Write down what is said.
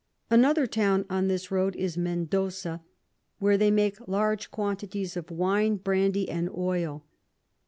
Another Town on this Road is Mendosa, where they make large quantities of Wine, Brandy, and Oil.